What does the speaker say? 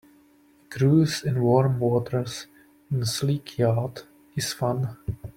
A cruise in warm waters in a sleek yacht is fun.